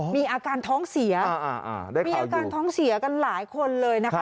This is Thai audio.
มีอาการท้องเสียอ่าอ่าได้ข่าวอยู่มีอาการท้องเสียกันหลายคนเลยนะคะ